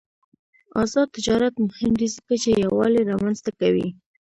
آزاد تجارت مهم دی ځکه چې یووالي رامنځته کوي.